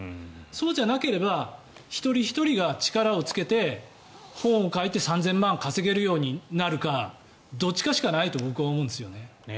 そうじゃなければ一人ひとりが力をつけて本を書いて３０００万稼げるようになるかどっちかしかないと僕は思うんですよね。